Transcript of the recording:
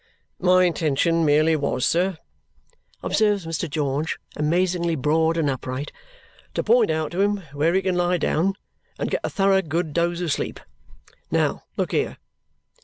"My intention merely was, sir," observes Mr. George, amazingly broad and upright, "to point out to him where he can lie down and get a thorough good dose of sleep. Now, look here."